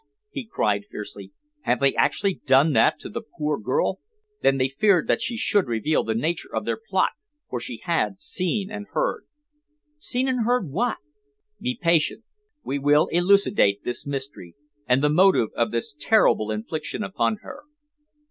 he cried fiercely. "Have they actually done that to the poor girl? Then they feared that she should reveal the nature of their plot, for she had seen and heard." "Seen and heard what?" "Be patient; we will elucidate this mystery, and the motive of this terrible infliction upon her.